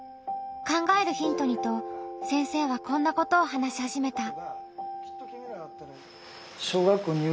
考えるヒントにと先生はこんなことを話しはじめた。